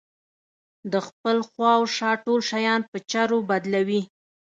د خپل خواوشا ټول شيان په چرو بدلوي.